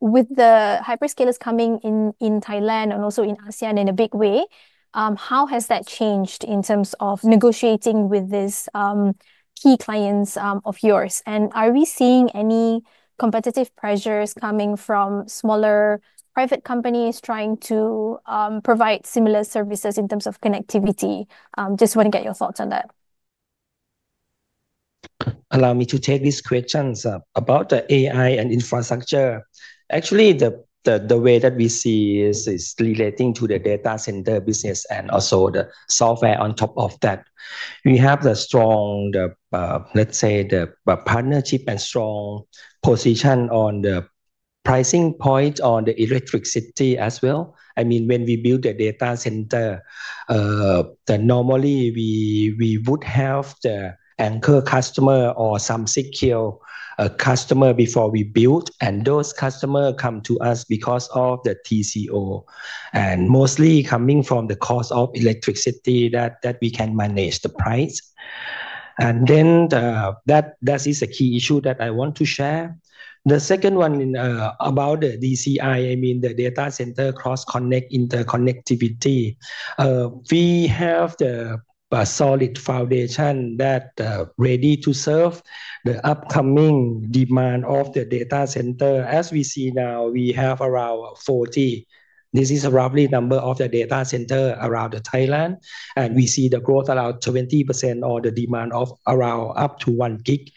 With the hyperscalers coming in Thailand and also in ASEAN in a big way, how has that changed in terms of negotiating with these key clients of yours? Are we seeing any competitive pressures coming from smaller private companies trying to provide similar services in terms of connectivity? Just want to get your thoughts on that. Allow me to take these questions about the AI and infrastructure. Actually, the way that we see is relating to the data center business and also the software on top of that. We have the strong partnership and strong position on the pricing point on the electricity as well. When we build the data center, normally we would have the anchor customer or some secure customer before we build. Those customers come to us because of the TCO and mostly coming from the cost of electricity that we can manage the price. That is a key issue that I want to share. The second one about the DCI, the data center cross-connect interconnectivity. We have the solid foundation that is ready to serve the upcoming demand of the data center. As we see now, we have around 40, this is a roughly number of the data center around Thailand. We see the growth around 20% or the demand of around up to 1 gig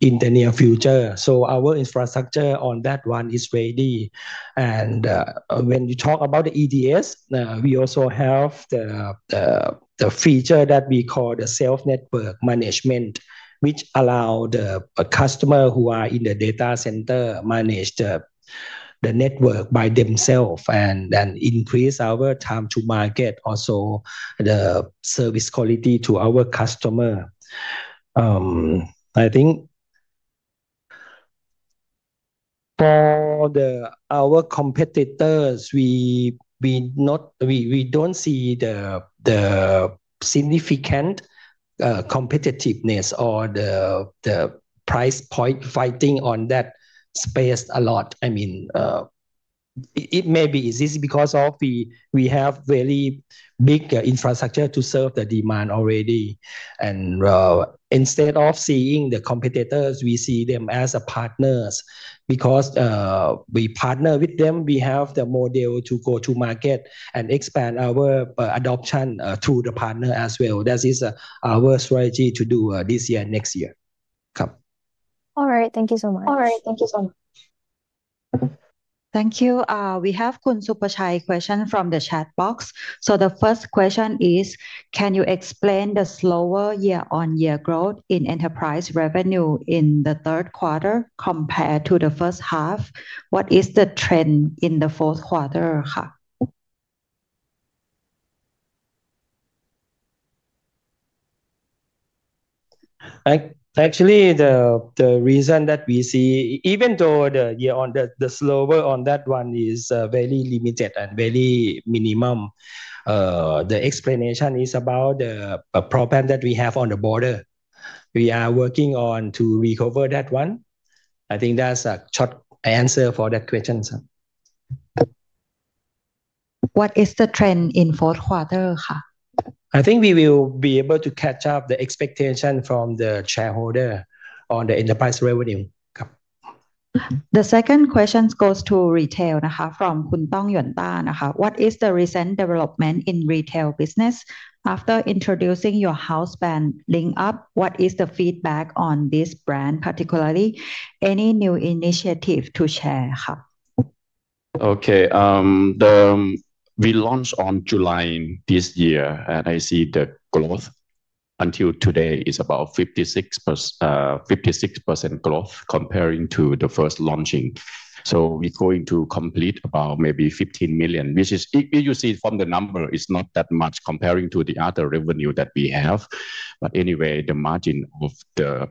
in the near future. Our infrastructure on that one is ready. When you talk about the EDS, we also have the feature that we call the self-network management, which allows the customer who are in the data center to manage the network by themselves and increase our time to market, also the service quality to our customer. For our competitors, we don't see the significant competitiveness or the price point fighting on that space a lot. It may be easy because we have very big infrastructure to serve the demand already. Instead of seeing the competitors, we see them as partners. We partner with them, we have the model to go to market and expand our adoption through the partner as well. That is our strategy to do this year and next year. All right. Thank you so much. All right. Thank you so much. Thank you. We have Khun Supachai's question from the chat box. The first question is, can you explain the slower year-on-year growth in enterprise revenue in the third quarter compared to the first half? What is the trend in the fourth quarter? Actually, the reason that we see, even though the slowdown on that one is very limited and very minimum. The explanation is about the problem that we have on the border. We are working on to recover that one. I think that's a short answer for that question. What is the trend in the fourth quarter? I think we will be able to catch up to the expectation from the shareholders on the enterprise revenue. The second question goes to retail from Khun Tong Yuanta. What is the recent development in the retail business? After introducing your house brand Ling Up, what is the feedback on this brand particularly? Any new initiatives to share? We launched in July this year, and I see the growth until today is about 56% growth comparing to the first launching. We're going to complete about maybe $15 million, which is, if you see from the number, it's not that much comparing to the other revenue that we have. But anyway, the margin of the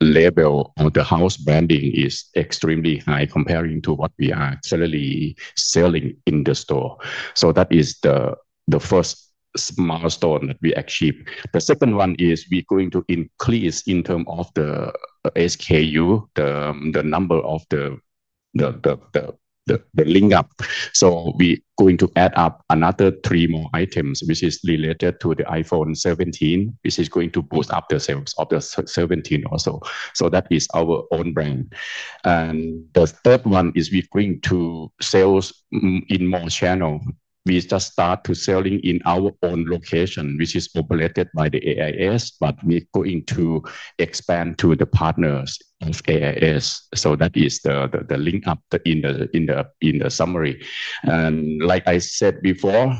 on label of the house branding is extremely high comparing to what we are currently selling in the store. That is the first milestone that we achieved. The second one is we're going to increase in terms of the SKU, the number of the Ling Up. We're going to add up another three more items, which is related to the iPhone 17, which is going to boost up the sales of the 17 also. That is our own brand. The third one is we're going to sales in more channels. We just started selling in our own location, which is operated by the AIS, but we're going to expand to the partners of AIS. That is the Ling Up in the summary. Like I said before,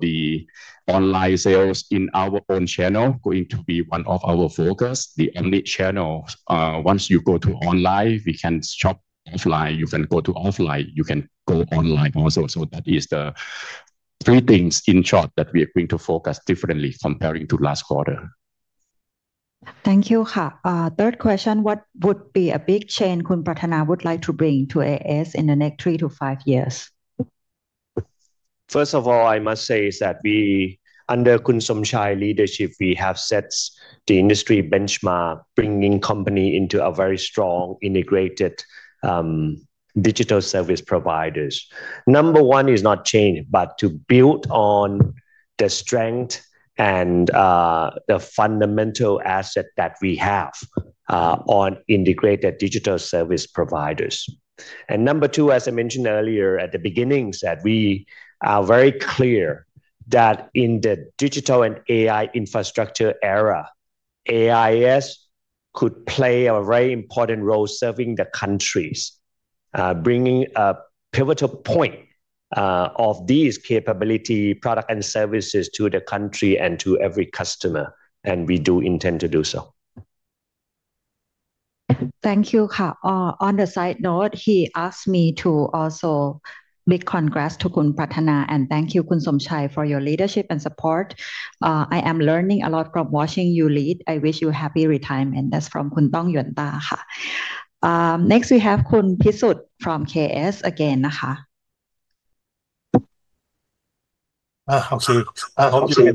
the online sales in our own channel is going to be one of our focuses. The only channel, once you go to online, we can shop offline. You can go to offline. You can go online also. That is the three things in short that we are going to focus differently comparing to last quarter. Thank you. Third question, what would be a big change Khun Pratana would like to bring to AIS in the next three to five years? First of all, I must say that we, under Khun Somchai's leadership, we have set the industry benchmark, bringing the company into a very strong integrated digital service provider. Number one is not change, but to build on the strength and the fundamental asset that we have on integrated digital service providers. Number two, as I mentioned earlier at the beginning, is that we are very clear that in the digital and AI infrastructure era, AIS could play a very important role serving the country, bringing a pivotal point of these capability products and services to the country and to every customer. We do intend to do so. Thank you. On a side note, he asked me to also make congratulations to Khun Pratana and thank you, Khun Somchai, for your leadership and support. I am learning a lot from watching you lead. I wish you a happy retirement. That's from Khun Tong Yuanta. Next, we have Khun Pisut from KS again. Okay.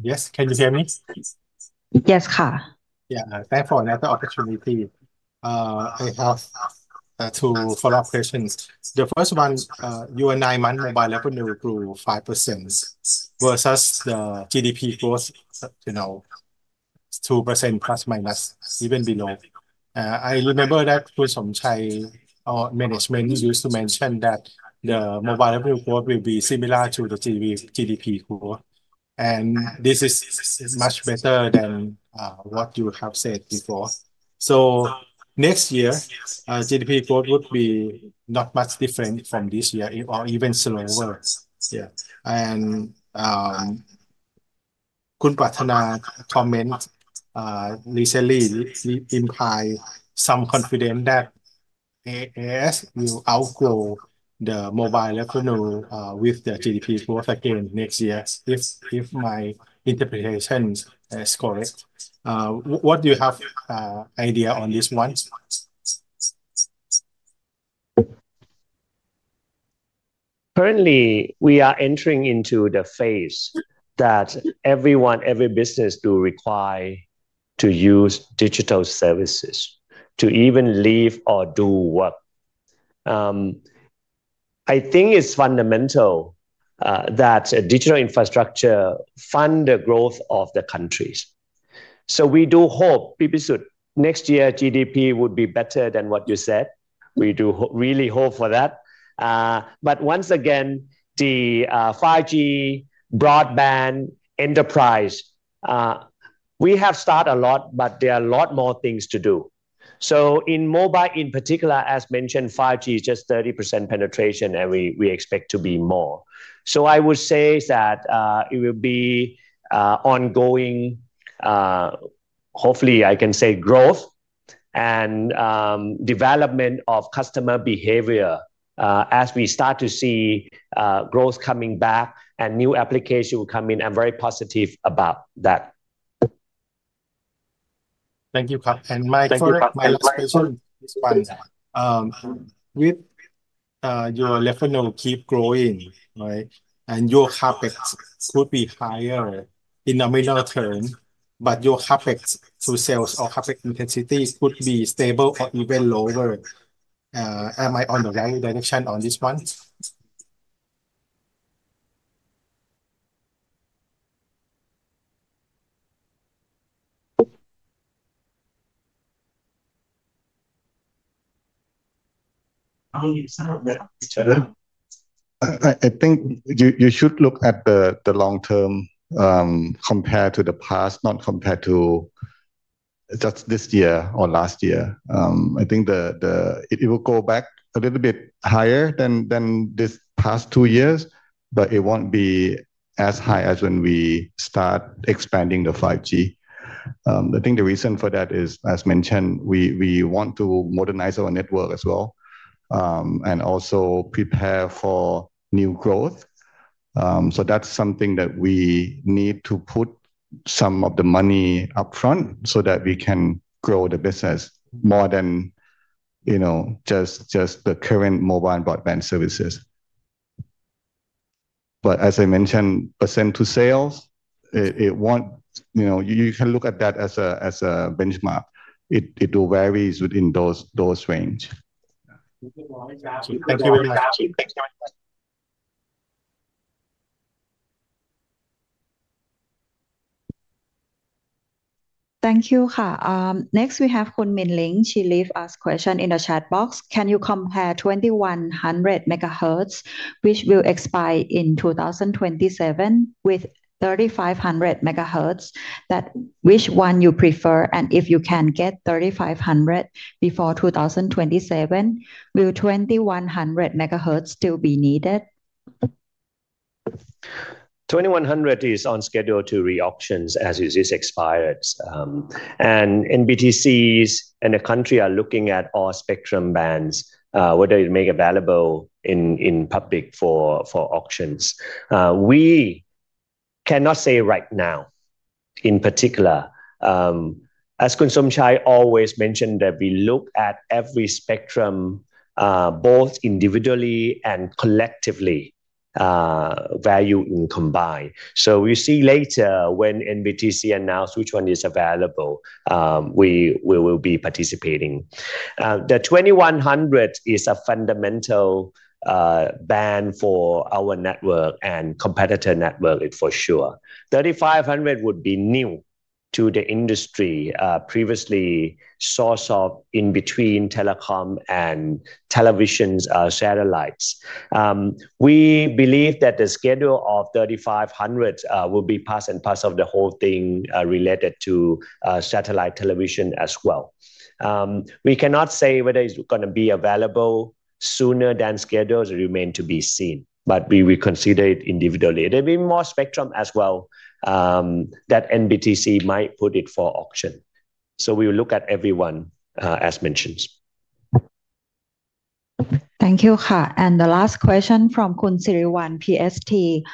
Yes, can you hear me? Yes. Thanks for another opportunity. I have two follow-up questions. The first one, you and I monthly mobile revenue grew 5% versus the GDP growth 2% plus minus, even below. I remember that Khun Somchai's management used to mention that the mobile revenue growth will be similar to the GDP growth. This is much better than what you have said before. So next year, GDP growth would be not much different from this year or even slower. Khun Pratana's comments recently implied some confidence that AIS will outgrow the mobile revenue with the GDP growth again next year, if my interpretation is correct. What do you have an idea on this one? Currently, we are entering into the phase that everyone, every business, will require to use digital services to even live or do work. I think it's fundamental that digital infrastructure funds the growth of the countries. We do hope, Pisut, next year's GDP would be better than what you said. We do really hope for that. Once again, the 5G broadband enterprise, we have started a lot, but there are a lot more things to do. In mobile in particular, as mentioned, 5G is just 30% penetration, and we expect to be more. I would say that it will be ongoing. Hopefully, I can say growth and development of customer behavior as we start to see growth coming back and new applications will come in. I'm very positive about that. Thank you. My last question: with your revenue keep growing, right, and your CapEx could be higher in the middle term, but your CapEx to sales or CapEx intensity could be stable or even lower. Am I on the right direction on this one? I think you should look at the long term compared to the past, not compared to just this year or last year. I think it will go back a little bit higher than these past two years, but it won't be as high as when we start expanding the 5G. I think the reason for that is, as mentioned, we want to modernize our network as well and also prepare for new growth. That's something that we need to put some of the money upfront so that we can grow the business more than just the current mobile broadband services. But as I mentioned, % to sales, you can look at that as a benchmark. It varies within those ranges. Thank you. Next, we have Khun Min Ling. She leaves us a question in the chat box. Can you compare 2100 MHz, which will expire in 2027, with 3500 MHz? Which one do you prefer? If you can get 3500 before 2027, will 2100 MHz still be needed? 2100 is on schedule to be re-auctioned as it is expired. NBTC and the country are looking at all spectrum bands, whether they may be available to the public for auctions. We cannot say right now in particular. As Khun Somchai always mentioned that we look at every spectrum both individually and collectively. Value in combined. So we see later when NBTC announced which one is available. We will be participating. The 2100 is a fundamental band for our network and competitor network, for sure. 3500 would be new to the industry, previously sourced in-between telecom and television satellites. We believe that the schedule of 3500 will be part and parcel of the whole thing related to satellite television as well. We cannot say whether it's going to be available sooner than scheduled. It remains to be seen, but we will consider it individually. There will be more spectrum as well that NBTC might put it for auction. So we will look at everyone, as mentioned. Thank you. The last question from Khun Siriwan PST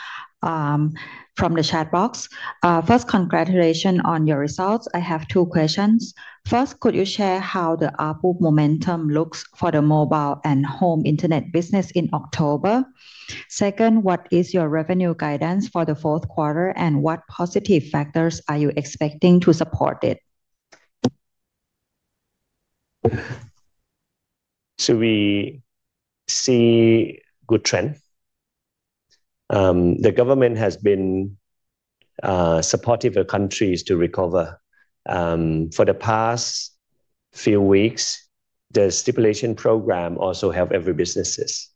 from the chat box. First, congratulations on your results. I have two questions. First, could you share how the upward momentum looks for the mobile and home internet business in October? Second, what is your revenue guidance for the fourth quarter and what positive factors are you expecting to support it? We see a good trend. The government has been supportive of countries to recover. For the past few weeks, the stipulation program also helped every business.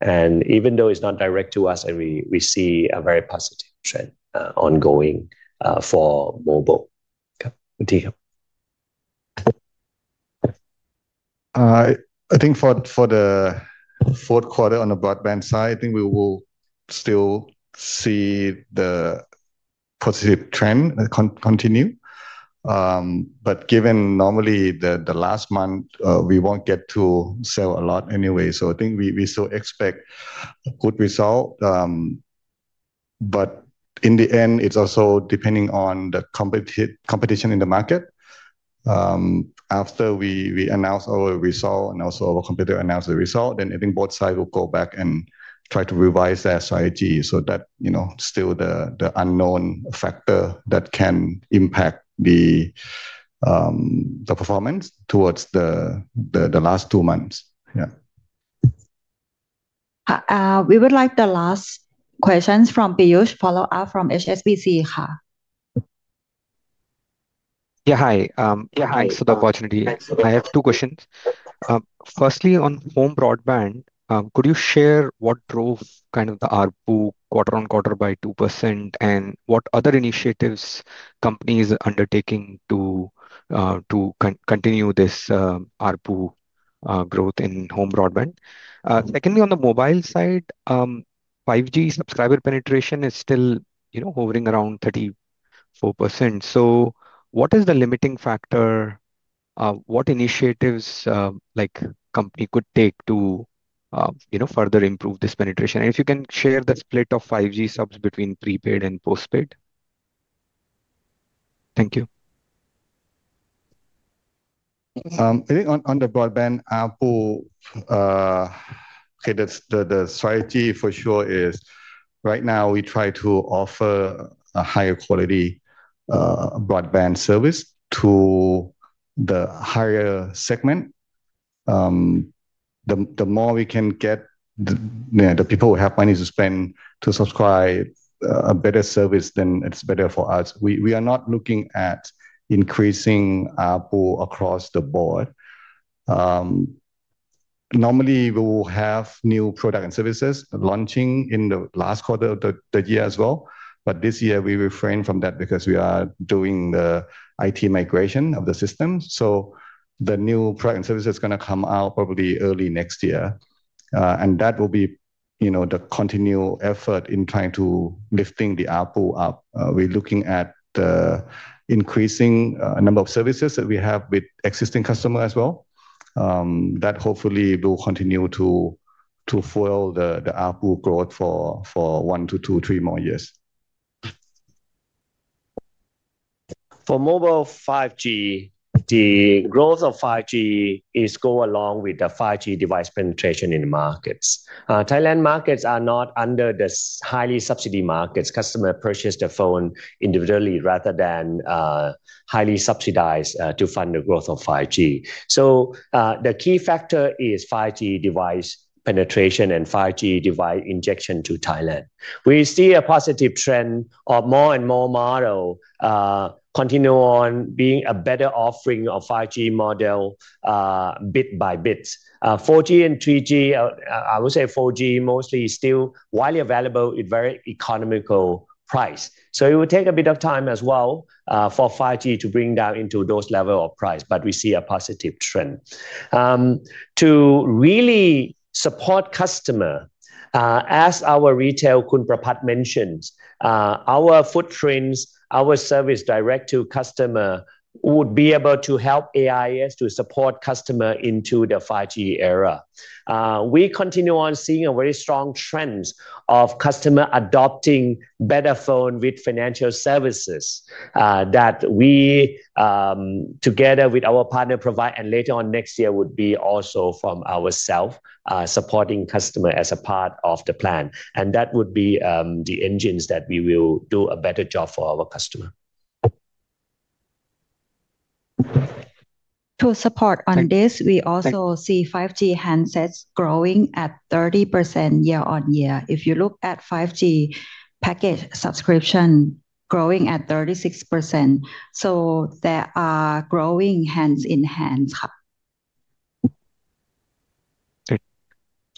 And even though it's not direct to us, we see a very positive trend ongoing for mobile. I think for the fourth quarter on the broadband side, I think we will still see the positive trend continue. But given normally the last month, we won't get to sell a lot anyway. So I think we still expect a good result. But in the end, it's also depending on the competition in the market. After we announce our result and also our competitor announces the result, then I think both sides will go back and try to revise their strategy so that's still the unknown factor that can impact the performance towards the last two months. We would like the last questions from Piyush to follow up from HSBC. Yeah, hi. Thanks for the opportunity. I have two questions. Firstly, on home broadband, could you share what drove the ARPU quarter on quarter by 2% and what other initiatives companies are undertaking to continue this ARPU growth in home broadband? Secondly, on the mobile side, 5G subscriber penetration is still hovering around 34%. So what is the limiting factor? What initiatives a company could take to further improve this penetration? And if you can share the split of 5G subs between prepaid and postpaid. Thank you. I think on the broadband ARPU, the strategy for sure is right now we try to offer a higher quality broadband service to the higher segment. The more we can get the people who have money to spend to subscribe to a better service, then it's better for us. We are not looking at increasing ARPU across the board. Normally, we will have new products and services launching in the last quarter of the year as well. But this year, we refrain from that because we are doing the IT migration of the system. So the new product and service is going to come out probably early next year. That will be the continued effort in trying to lift the ARPU up. We're looking at increasing the number of services that we have with existing customers as well. That hopefully will continue to fuel the ARPU growth for one to two, three more years. For mobile 5G, the growth of 5G is going along with the 5G device penetration in the markets. Thailand markets are not under the highly subsidized markets. Customers purchase the phone individually rather than highly subsidized to fund the growth of 5G. So the key factor is 5G device penetration and 5G device injection to Thailand. We see a positive trend of more and more models continuing on being a better offering of 5G model. Bit by bit, 4G and 3G, I would say 4G mostly is still widely available at a very economical price. So it will take a bit of time as well for 5G to bring down into those levels of price, but we see a positive trend. To really support customers, as our retail, Khun Prapat mentioned, our footprint, our service direct to customers would be able to help AIS to support customers into the 5G era. We continue on seeing a very strong trend of customers adopting better phones with financial services that we, together with our partners, provide, and later on next year would be also from ourselves supporting customers as a part of the plan. That would be the engines that we will do a better job for our customers. To support on this, we also see 5G handsets growing at 30% year on year. If you look at 5G package subscription, growing at 36%. So there are growing hand in hand.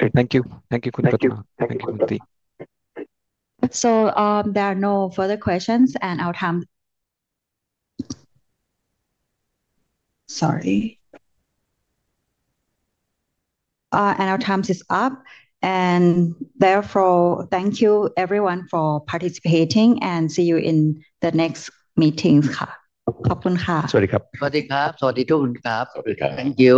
Thank you. Thank you, Khun Prapat. There are no further questions, and our time is up. Therefore, thank you everyone for participating and see you in the next meetings. ขอบคุณค่ะสวัสดีครับสวัสดีครับสวัสดีทุกคนครับสวัสดีครับ Thank you.